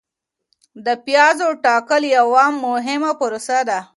د پیازو ټاکل یوه مهمه پروسه ده.